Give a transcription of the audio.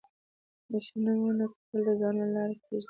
د شنو ونو کرل د ځوانانو له لارې کيږي.